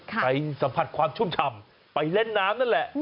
ไปสัมผัสความชุ่มฉ่ำไปเล่นน้ำนั่นแหละ